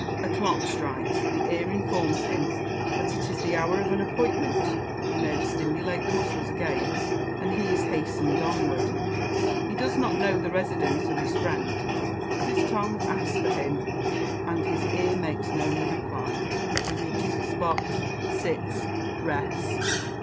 A clock strikes, the ear informs him that it is the hour of an appointment; the nerves stimulate the muscles again, and he is hastened onward. He does not know the residence of his friend, but his tongue asks for him, and his ear makes known the reply. He reaches the spot sits rests.